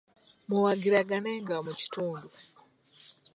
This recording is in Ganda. Muwagiraganenga mu kitundu.